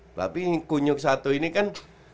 tapi kunyuk satu ini kan